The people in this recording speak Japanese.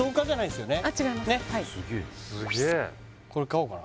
すげえこれ買おうかな